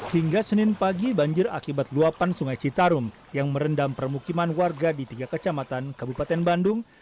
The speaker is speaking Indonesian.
hingga senin pagi banjir akibat luapan sungai citarum yang merendam permukiman warga di tiga kecamatan kabupaten bandung